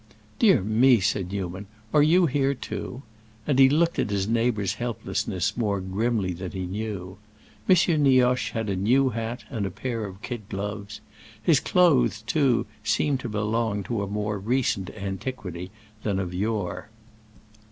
"Dear me," said Newman; "are you here, too?" And he looked at his neighbor's helplessness more grimly than he knew. M. Nioche had a new hat and a pair of kid gloves; his clothes, too, seemed to belong to a more recent antiquity than of yore.